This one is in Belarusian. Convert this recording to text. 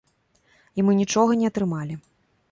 І мы нічога не атрымалі.